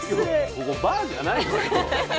ここバーじゃないのよ。